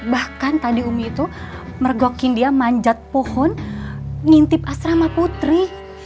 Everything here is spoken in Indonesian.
bahkan tadi umi itu mergokin dia manjat pohon ngintip asrama putri